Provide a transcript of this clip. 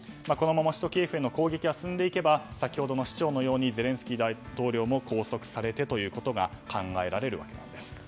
このまま首都キエフへの攻撃が進んでいけば先ほどの市長のようにゼレンスキー大統領も拘束されてということが考えられるわけです。